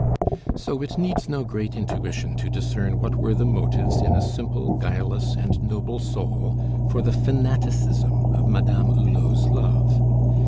So it needs no great intuition to discern what were the motives in a simple, guileless, and noble soul for the fanaticism of Madame Hulot's love.